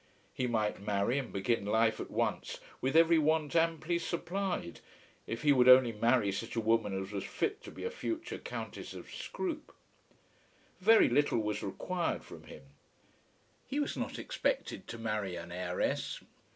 He might marry and begin life at once with every want amply supplied, if he would only marry such a woman as was fit to be a future Countess of Scroope. Very little was required from him. He was not expected to marry an heiress.